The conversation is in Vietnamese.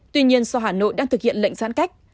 tuy nhiên do hà nội đang thực hiện lệnh giãn cách